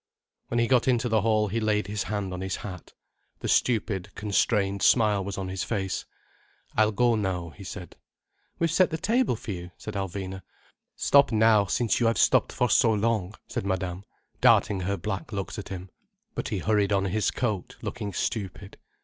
When he got into the hall he laid his hand on his hat. The stupid, constrained smile was on his face. "I'll go now," he said. "We have set the table for you," said Alvina. "Stop now, since you have stopped for so long," said Madame, darting her black looks at him. But he hurried on his coat, looking stupid.